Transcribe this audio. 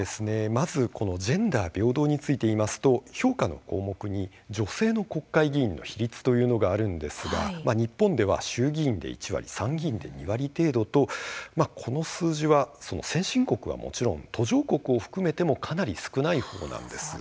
まず、ジェンダー平等についていいますと評価の項目に女性の国会議員の比率というのがあるんですが日本では、衆議院で１割参議院で２割程度と、この数字は先進国はもちろん途上国を含めてもかなり少ないものなんです。